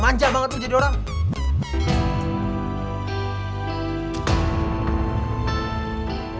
manjal banget lo jadi orang